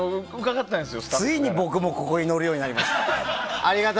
ついに僕もここに載るようになりました。